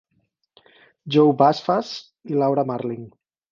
Joe Buzzfuzz i Laura Marling.